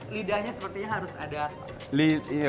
lidahnya sepertinya harus ada